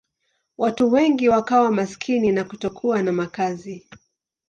Watu wengi wakawa maskini na kutokuwa na makazi.